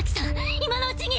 今のうちに。